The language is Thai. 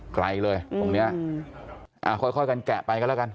ไกลเลยตรงเนี้ยอ่าค่อยกันแกะไปกันแล้วกัน